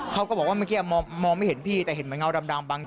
เขาก็บอกว่าเมื่อกี้มองไม่เห็นพี่แต่เห็นเหมือนเงาดำบาง